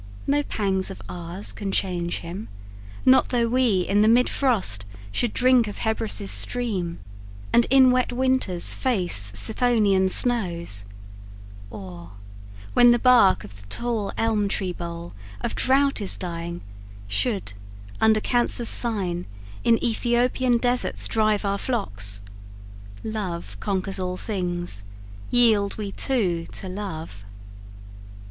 No pangs of ours can change him; not though we In the mid frost should drink of Hebrus' stream, And in wet winters face Sithonian snows, Or, when the bark of the tall elm tree bole Of drought is dying, should, under Cancer's Sign, In Aethiopian deserts drive our flocks. Love conquers all things; yield we too to love!"